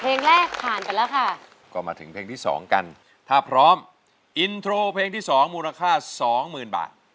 เพลงแรกผ่านไปแล้วค่ะก็มาถึงเพลงที่สองกันถ้าพร้อมอินโทรเพลงที่สองมูลค่าสองหมื่นบาท